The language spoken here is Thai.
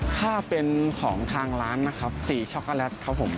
ถ้าเป็นของทางร้านนะครับสีช็อกโกแลตครับผม